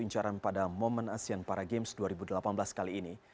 incaran pada momen asean para games dua ribu delapan belas kali ini